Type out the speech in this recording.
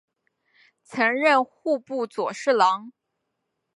曾任户部左侍郎。